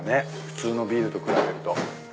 普通のビールと比べると。